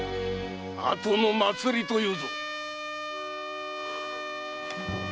“後の祭り”と言うぞ。